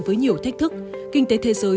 với nhiều thách thức kinh tế thế giới